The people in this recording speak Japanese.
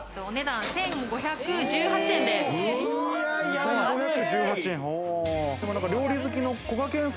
お値段１５１８円です。